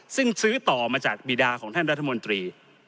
ซึ่งซื้อต่อมาจากบีดาของท่านรัฐมนตรี